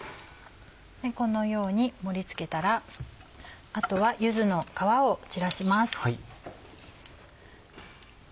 このように盛り付けたらあとは柚子の皮を散らします。